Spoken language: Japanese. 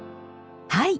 はい。